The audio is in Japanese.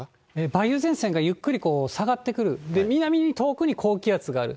梅雨前線がゆっくり下がってくる、南に、遠くに高気圧がある。